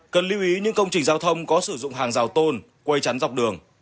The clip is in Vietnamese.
cần lưu ý những công trình giao thông có sử dụng hàng rào tôn quay chắn dọc đường